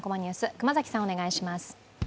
熊崎さん、お願いします。